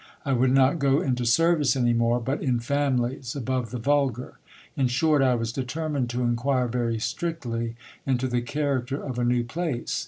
I would not go into sen ice any more, but in families above the vulgar. In short, I was determined to inquire very strictly into the character of a new place.